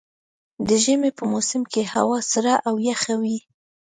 د ژمي په موسم کې هوا سړه او يخه وي.